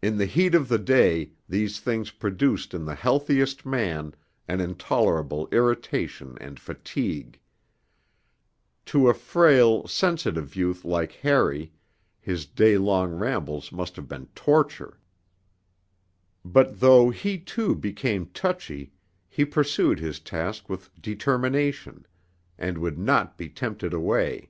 In the heat of the day these things produced in the healthiest man an intolerable irritation and fatigue: to a frail, sensitive youth like Harry his day long rambles must have been torture; but though he too became touchy he pursued his task with determination, and would not be tempted away.